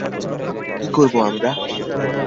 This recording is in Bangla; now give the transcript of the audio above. কি করবো আমরা?